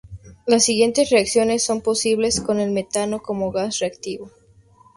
Las siguientes reacciones son posibles con el metano como gas reactivo.